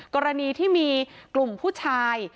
กรณีที่มีกลุ่มผู้ชาย